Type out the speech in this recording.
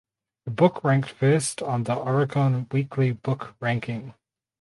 The book ranked first on the Oricon weekly book ranking.